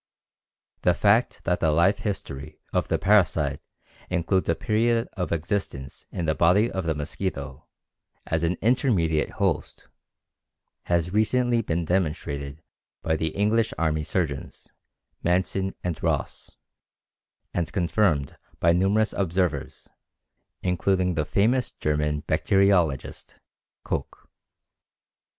The fact that the life history of the parasite includes a period of existence in the body of the mosquito, as an intermediate host, has recently been demonstrated by the English army surgeons Manson and Ross, and confirmed by numerous observers, including the famous German bacteriologist, Koch.